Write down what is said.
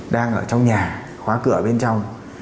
đang ở trong nhà khóa cửa bên trong